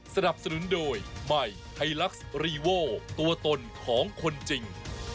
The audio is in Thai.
สนับสนุนโดยใหม่ไทยลักษ์รีโวตัวตนของคนจริง